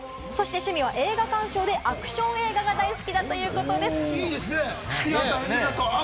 趣味は映画鑑賞で、アクション映画が好みだということです。